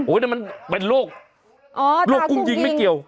แล้วมันเป็นโรคโรคกุ้งยิงไม่เกี่ยว